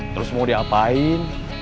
terus mau diapain